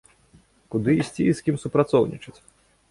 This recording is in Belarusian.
Куды ісці і з кім супрацоўнічаць?